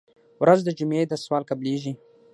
ورځ د جمعې ده سوال قبلېږي.